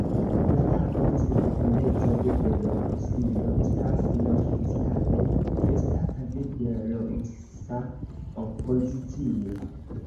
La tago de sendependeco de Belorusio estas neoficiale festata de belorusa opozicio.